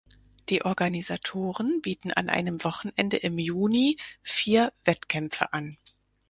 Die Organisatoren bieten an einem Wochenende im Juni vier Wettkämpfe an.